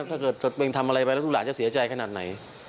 ถ้าเกิดตัวเองทำอะไรไปแล้วลูกหลานจะเสียใจขนาดไหน